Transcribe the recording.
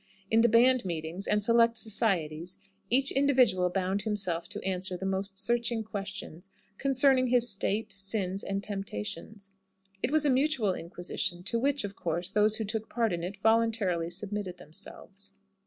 In the band meetings and select societies each individual bound himself to answer the most searching questions "concerning his state, sins, and temptations." It was a mutual inquisition, to which, of course, those who took part in it voluntarily submitted themselves.